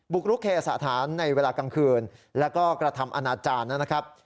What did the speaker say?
กรุเคสถานในเวลากลางคืนแล้วก็กระทำอนาจารย์นะครับ